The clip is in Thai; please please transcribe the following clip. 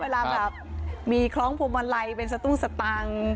เวลาแบบมีคล้องพวงมาลัยเป็นสตุ้งสตังค์